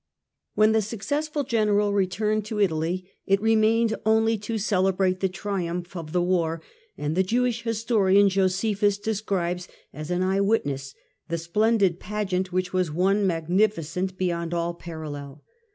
When the successful general returned to Italy it re mained only to celebrate the triumph of the war, and the The triumph J^'^ish historian Josephus describes, as an after the eyewitness, the splendid pageant, which was Is de^:rii?cd One magnificent beyond all parallel.